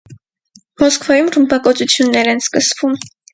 Մոսկվայում ռմբակոծություններ են սկսվում։